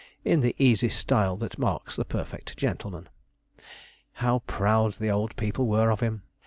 in the easy style that marks the perfect gentleman. How proud the old people were of him!